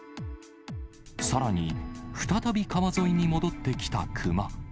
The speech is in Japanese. さらに、再び川沿いに戻ってきたクマ。